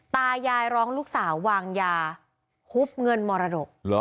ตายายร้องลูกสาววางยาฮุบเงินมรดก